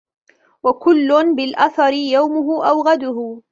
وَكُلٌّ بِالْأَثَرِ يَوْمُهُ أَوْ غَدُهُ